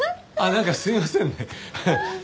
なんかすいませんね。